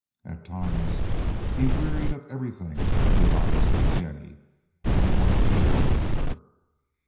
At times he wearied of everything and everybody save Jennie; he wanted to be alone with her.